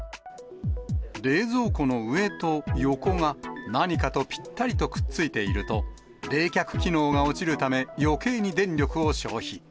冷蔵庫の上と横が、何かとぴったりとくっついていると、冷却機能が落ちるため、よけいに電力を消費。